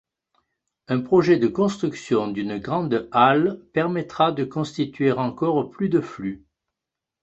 Un projet de construction d'une grande halle permettra de constituer encore plus de flux.